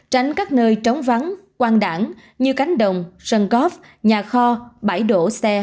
tránh các nơi trống vắng quan đảng như cánh đồng sân góp nhà kho bãi đổ xe